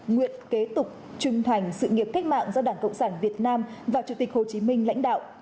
nguyện kế tục trung thành sự nghiệp cách mạng do đảng cộng sản việt nam và chủ tịch hồ chí minh lãnh đạo